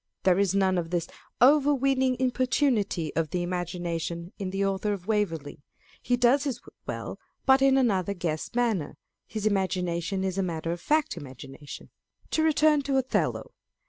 There is none of this overweening importunity of the imagination in the Author of Waverley, he does his work well, but in another guess manner. His imagination is a matter of fact imagination. To return to Othello.